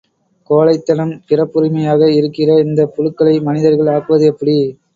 கோழைத்தனம் பிறப்புரிமையாக இருக்கிற இந்தப் புழுக்களை மனிதர்கள் ஆக்குவது எப்படி?